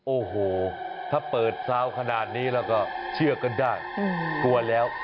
โอ้โหถ้าเปิดซาวขนาดนี้เราก็เชื่อกันได้กลัวแล้ว